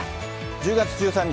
１０月１３日